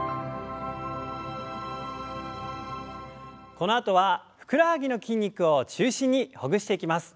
このあとはふくらはぎの筋肉を中心にほぐしていきます。